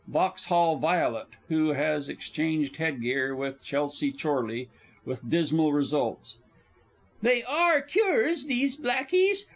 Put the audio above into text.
VAUXHALL VOILET (who has exchanged headgear with CHELSEA CHORLEY with dismal results). They are cures, those blackies!